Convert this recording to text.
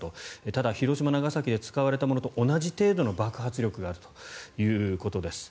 ただ広島、長崎で使われたものと同じ程度の爆発力があるということです。